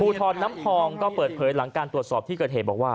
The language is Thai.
ทรน้ำพองก็เปิดเผยหลังการตรวจสอบที่เกิดเหตุบอกว่า